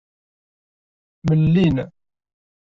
Mlellin.